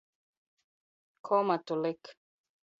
Komatu lik